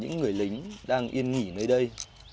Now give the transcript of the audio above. những người lính đang yên nghỉ nơi đây